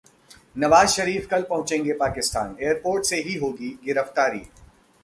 नवाज शरीफ कल पहुंचेंगे पाकिस्तान, एयरपोर्ट से ही होगी गिरफ्तारी